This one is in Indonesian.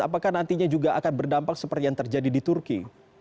apakah nantinya juga akan berdampak seperti yang terjadi di turki